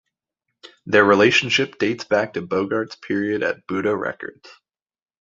Their relationship dates back to Bogart's period at Buddah Records.